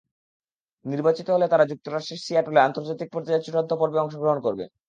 নির্বাচিত হলে তারা যুক্তরাষ্ট্রের সিয়াটলে আন্তর্জাতিক পর্যায়ের চূড়ান্ত পর্বে অংশগ্রহণ করবে।